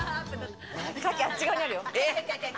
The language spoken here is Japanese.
カキ、あっち側にあるよ。